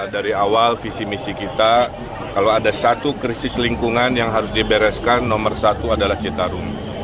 dari awal visi misi kita kalau ada satu krisis lingkungan yang harus dibereskan nomor satu adalah citarum